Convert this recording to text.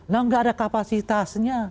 nah tidak ada kapasitasnya